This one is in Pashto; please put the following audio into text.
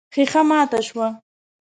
ښيښه ماته شوه.